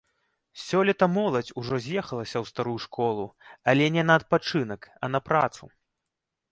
Сёлета моладзь ужо з'ехалася ў старую школу, але не на адпачынак, а на працу.